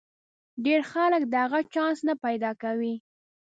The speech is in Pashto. ډېر خلک د هغه چانس نه پیدا کوي.